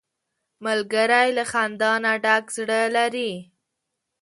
ملګری له خندا نه ډک زړه لري